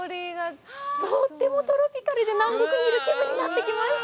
とってもトロピカルで南国にいる気分になってきました。